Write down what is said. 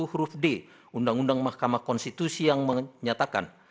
huruf d undang undang mahkamah konstitusi yang menyatakan